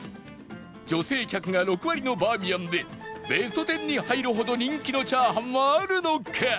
女性客が６割のバーミヤンでベスト１０に入るほど人気のチャーハンはあるのか！？